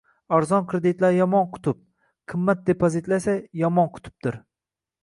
Arzon kreditlar yomon qutb, qimmat depozitlar esa yomon qutbdir